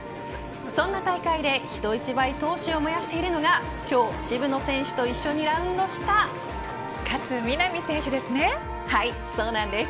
その大会で人一倍闘志を燃やしているのが今日渋野選手と一緒にラウンドしたはい、そうなんです。